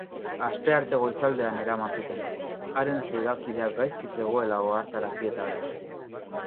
Astearte goizaldean eraman zuten, haren ziegakideak gaizki zegoela ohartarazi eta gero.